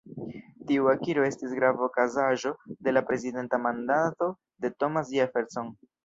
Tiu akiro estis grava okazaĵo de la prezidenta mandato de Thomas Jefferson.